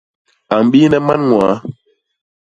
A mbiine man ñwaa.